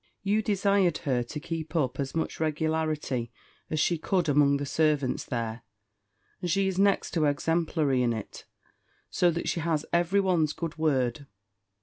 "You desired her to keep up as much regularity as she could among the servants there; and she is next to exemplary in it, so that she has every one's good word.